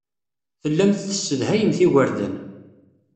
Tellamt tessedhayemt igerdan.